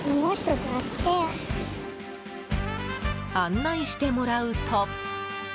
案内してもらうと。